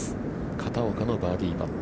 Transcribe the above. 片岡のバーディーパット。